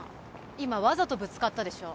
今わざとぶつかったでしょ？